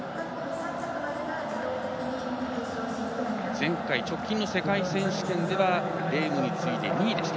前回、直近の世界選手権ではレームに次いで２位でした。